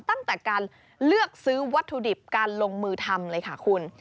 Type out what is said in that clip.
ตั้งแต่การเลือกซื้อวัตถุดิบการลงมือทำเลยค่ะคุณ